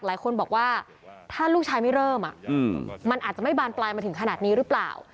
หลายคนบอกว่าถ้าลูกชายไม่เริ่มมันอาจจะไม่บานปลายมาถึงขนาดนี้หรือเปล่า